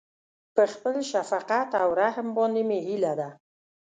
په خپل شفقت او رحم باندې مې هيله ده.